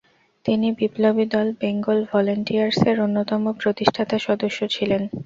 তিনি বিপ্লবী দল বেঙ্গল ভলেন্টিয়ার্সের অন্যতম প্রতিষ্ঠাতা সদস্য ছিলেন।